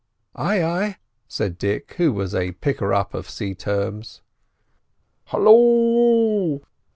"Ay, ay," said Dick, who was a picker up of sea terms. "Halloo!"